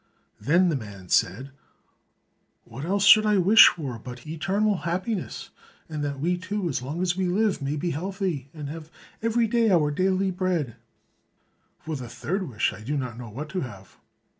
Then the man said, "What else should I wish for but eternal happiness, and that we two, as long as we live, may be healthy and have every day our daily bread; for the third wish, I do not know what to have."